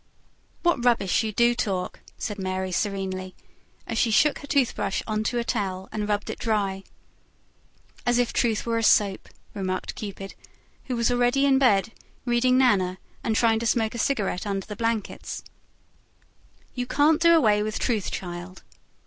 "What rubbish you do talk!" said Mary serenely, as she shook her toothbrush on to a towel and rubbed it dry. "As if truth were a soap!" remarked Cupid who was already in bed, reading NANA, and trying to smoke a cigarette under the blankets. "You can't do away with truth, child."